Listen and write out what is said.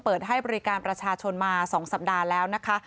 เปิดให้บริการประชาชนมา๒สัปดาห์แล้วนะคะ